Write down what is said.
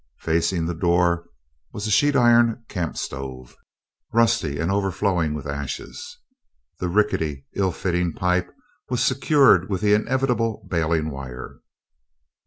Facing the door was a sheet iron camp stove, rusty and overflowing with ashes. The rickety, ill fitting pipe was secured with the inevitable baling wire.